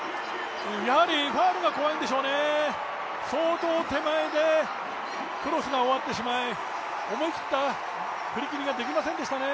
やはりファウルが怖いんでしょうね、相当手前でクロスが終わってしまい、思い切った振り切りができませんでしたね。